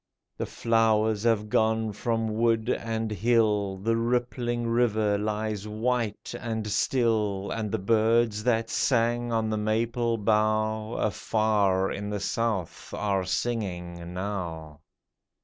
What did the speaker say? The flowers have gone from wood and hill ; The rippling river lies white and still ; And the birds that sang on the maple bough, Afar in the South are singing now